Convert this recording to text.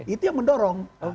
itu yang mendorong